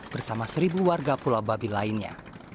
bersama seribu warga pulau babi lainnya